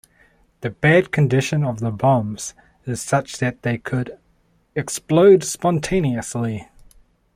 The bad condition of the bombs is such that they could explode spontaneously.